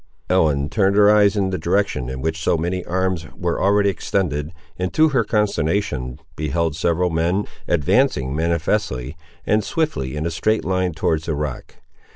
Ellen turned her eyes in the direction in which so many arms were already extended, and, to her consternation, beheld several men, advancing manifestly and swiftly in a straight line towards the rock.